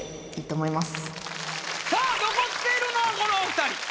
さあ残っているのはこのお二人。